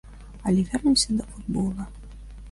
Але вернемся да футбола.